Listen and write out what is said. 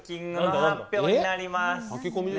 発表になります。